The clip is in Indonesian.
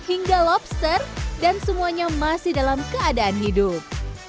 hingga lobster dan semuanya masih dalam keadaan hidup